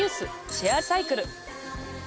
シェアサイクル！